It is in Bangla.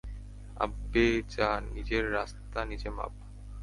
আব্বে যা, নিজের রাস্তা নিজে মাপ।